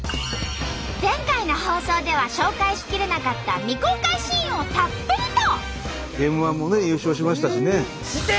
前回の放送では紹介しきれなかった未公開シーンをたっぷりと！